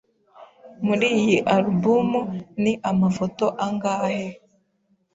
Muri iyi alubumu ni amafoto angahe?